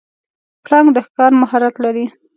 پړانګ د ښکار مهارت لري.